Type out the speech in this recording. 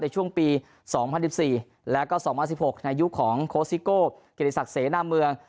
ในช่วงปี๒๐๑๔แล้วก็๒๐๑๖ในอายุของโคสิโกเกรดิศักดิ์เสน่ห์หน้าเมือง